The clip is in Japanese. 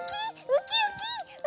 ウキウキ！